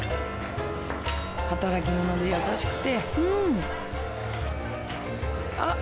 働き者で優しくて。